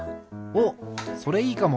おっそれいいかも。